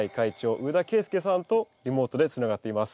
上田恵介さんとリモートでつながっています。